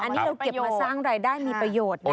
อันนี้เราเก็บมาสร้างรายได้มีประโยชน์นะ